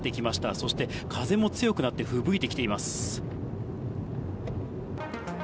そして風も強くなってふぶいてきています。